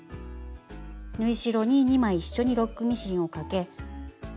縫い代に２枚一緒にロックミシンをかけ。